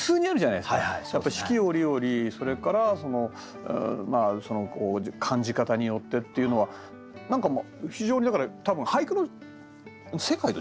やっぱり四季折々それから感じ方によってっていうのは何か非常にだから多分俳句の世界と近いんじゃないですかね。